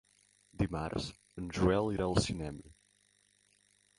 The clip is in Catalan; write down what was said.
Dimarts en Joel irà al cinema.